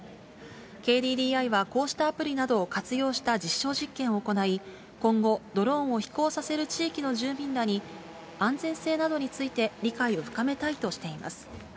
ＫＤＤＩはこうしたアプリなどを活用した実証実験を行い、今後、ドローンを飛行させる地域の住民らに、安全性などについて理解を深めたいとしています。